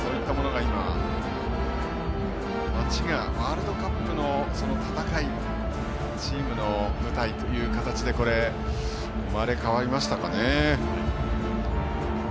今、街がワールドカップの戦いチームの舞台という形で生まれ変わりましたかね。